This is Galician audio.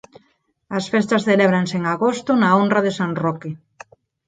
As festas celébranse en agosto na honra de San Roque.